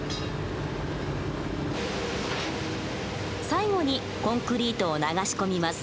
最後にコンクリートを流し込みます。